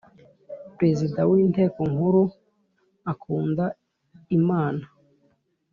Prezida w Inteko Nkuru akunda imana.